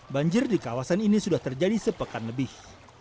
banjir di kawasan ini sudah terjadi sepekan lebih